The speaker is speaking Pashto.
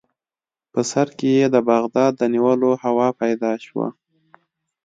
په سر کې یې د بغداد د نیولو هوا پیدا شوه.